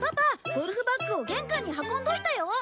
ゴルフバッグを玄関に運んどいたよ。